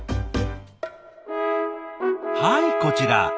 はいこちら。